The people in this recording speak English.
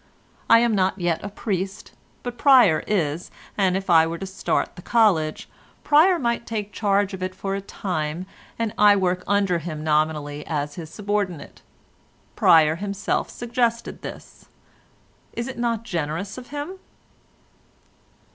I am not yet a priest, but Pryer is, and if I were to start the College, Pryer might take charge of it for a time and I work under him nominally as his subordinate. Pryer himself suggested this. Is it not generous of him?